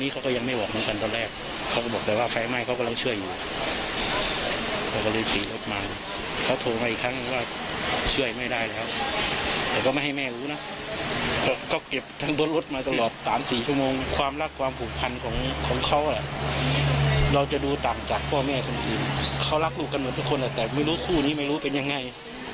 เขารักลูกกันเหมือนทุกคนแต่ไม่รู้คู่นี้เป็นยังไง